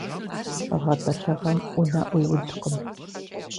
ГъэтӀылъыгъэм Ӏунэ Ӏуиудкъым.